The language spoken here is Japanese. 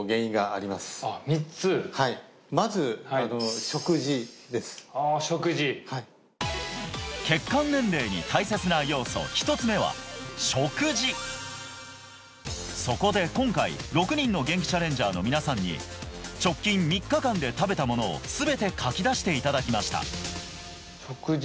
はいまず△食事血管年齢に大切な要素磽つ目はそこで今回磽人のゲンキチャレンジャーの皆さんに直近３日間で食べたものを全て書き出していただきました筿亡